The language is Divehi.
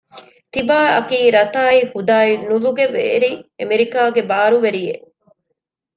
ތިބާއަކީ ރަތާއި ހުދާއި ނުލުގެވެރި އެމެރިކާގެ ބާރުވެރިއެއް